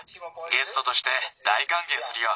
ゲストとして大かんげいするよ。